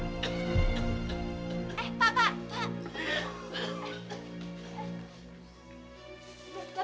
eh pak pak pak